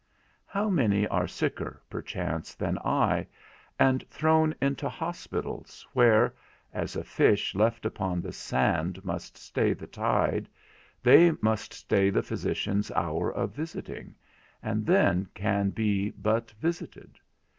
How many are sicker (perchance) than I, and thrown into hospitals, where (as a fish left upon the sand must stay the tide) they must stay the physician's hour of visiting, and then can be but visited!